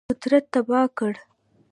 قدرت تباه کړ.